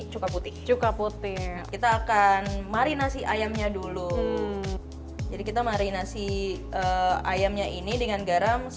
cuka putih cuka putih kita akan marinasi ayamnya dulu jadi kita marinasi ayamnya ini dengan garam